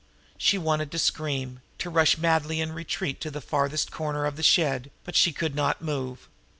She wanted to scream, to rush madly in retreat to the farthest corner of the shed; but she could not move.